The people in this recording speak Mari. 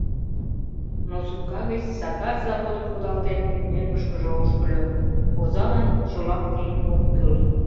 Но сутка гыч Сакар заводым кудалтен мӧҥгышкыжӧ ошкыльо: озалан чолак еҥ ок кӱл...